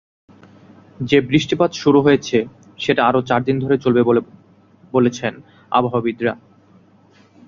যে বৃষ্টিপাত শুরু হয়েছে, সেটা আরও চারদিন ধরে চলবে বলে বলছেন আবহাওয়াবিদরা।